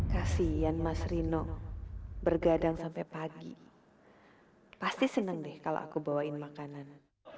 kasian mas rino bergadang sampai pagi pasti senang deh kalau aku bawain makanan